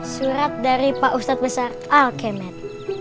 surat dari pak ustadz besar al kemed